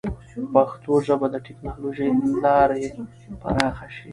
پښتو ژبه به د ټیکنالوجۍ له لارې ډېره پراخه شي.